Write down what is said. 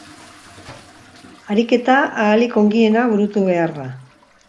Ariketa ahalik ongiena burutu behar da.